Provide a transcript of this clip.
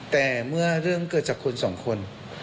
แต่เมื่อเรื่องเกิดจากคนสองคน